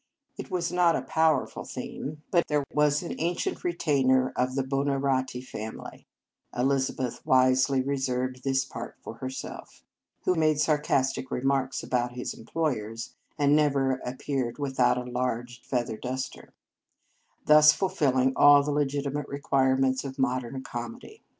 It was not a powerful theme, but there 152 Marriage Vows was an ancient retainer of the Buonar roti family (Elizabeth wisely reserved this part for herself), who made sar castic remarks about his employers, and never appeared without a large feather duster, thus fulfilling all the legitimate requirements of modern comedy.